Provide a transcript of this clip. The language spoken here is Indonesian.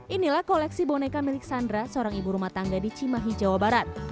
inilah koleksi boneka milik sandra seorang ibu rumah tangga di cimahi jawa barat